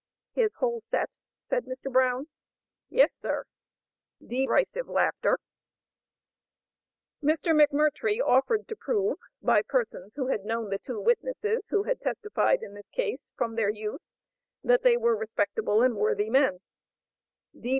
"His whole set?" said Mr. Brown. "Yes, sir." (Derisive laughter). Mr. McMurtrie offered to prove, by persons who had known the two witnesses who had testified in this case, from their youth, that they were respectable and worthy men.